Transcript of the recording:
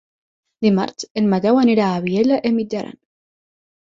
Dimarts en Mateu anirà a Vielha e Mijaran.